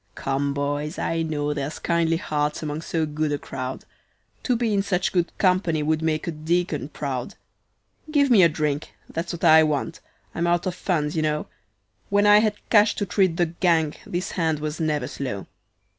"Come, boys, I know there's kindly hearts among so good a crowd To be in such good company would make a deacon proud. "Give me a drink that's what I want I'm out of funds, you know, When I had cash to treat the gang this hand was never slow.